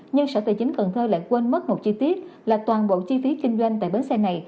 nhưng sở tài chính cần thơ lại quên mất một chi tiết là toàn bộ chi phí kinh doanh tại bến xe này